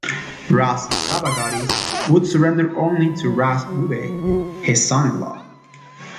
"Ras" Sabagadis would surrender only to "Ras" Wube, his son-in-law.